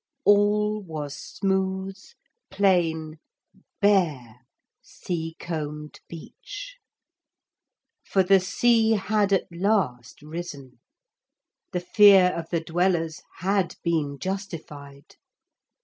All was smooth, plain, bare sea combed beach. For the sea had at last risen. The fear of the Dwellers had been justified.